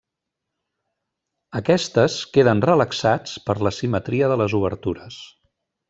Aquestes queden relaxats per la simetria de les obertures.